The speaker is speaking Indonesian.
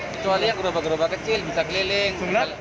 kecuali yang gerobak gerobak kecil bisa keliling